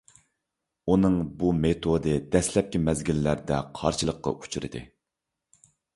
ئۇنىڭ بۇ مېتودى دەسلەپكى مەزگىللەردە قارشىلىققا ئۇچرىدى.